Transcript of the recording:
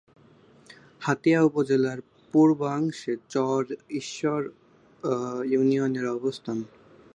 হাতিয়া উপজেলার পূর্বাংশে চর ঈশ্বর ইউনিয়নের অবস্থান।